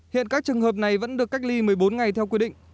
hiện các trường hợp này vẫn được cách ly một mươi bốn ngày theo quy định